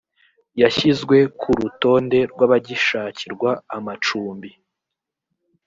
yashyizwe ku rutonde rw’abagishakirwa amacumbi